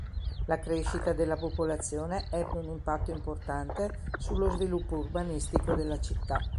La crescita della popolazione ebbe un impatto importante sullo sviluppo urbanistico della città.